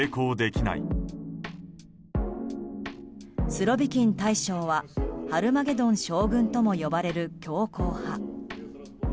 スロビキン大将はハルマゲドン将軍とも呼ばれる強硬派。